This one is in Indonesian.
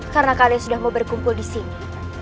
karena kalian sudah mau berkumpul disini